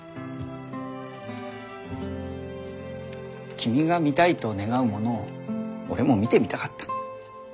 君が見たいと願うものを俺も見てみたかった。